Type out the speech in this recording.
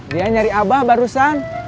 dia nyari abah barusan